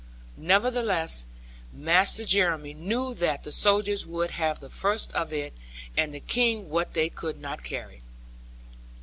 Nevertheless, Master Jeremy knew that the soldiers would have the first of it, and the King what they could not carry.